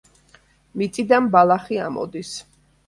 მიწიდან ბალახი ამოდის.